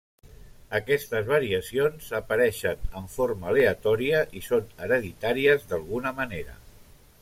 Aquestes variacions apareixen en forma aleatòria i són hereditàries d'alguna manera.